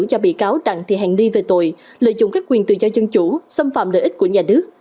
do bị cáo đặng thị hàng đi về tội lợi dụng các quyền tự do dân chủ xâm phạm lợi ích của nhà đứa